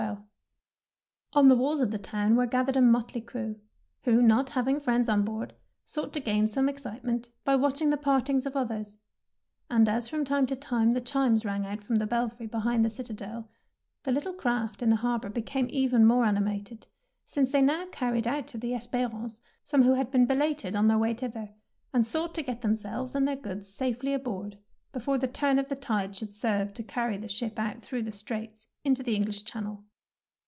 148 THE PEARL NECKLACE On the walls of the town were gath ered a motley crew, who, not having friends on board, sought to gain some excitement by watching the partings of others ; and as from time to time the chimes rang out from the belfry be hind the citadel, the little craft in the harbour became even more animated, since they now carried out to the " Es perance some who had been belated on their way thither, and sought to get themselves and their goods safely aboard before the turn of the tide should serve to carry the ship out through the Straits into the English Channel.